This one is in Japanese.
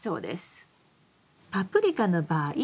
パプリカの場合